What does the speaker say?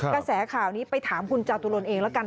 กระแสข่าวนี้ไปถามคุณจาตุรนเองแล้วกัน